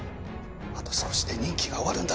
あと少しで任期が終わるんだ。